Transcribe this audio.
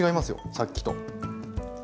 さっきと。